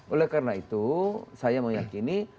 oleh karena itu saya meyakini